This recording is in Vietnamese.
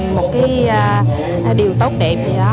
một cái điều tốt đẹp